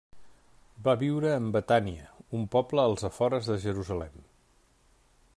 Va viure en Betània, un poble als afores de Jerusalem.